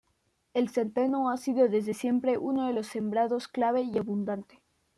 El centeno ha sido desde siempre uno de los sembrados clave y abundante.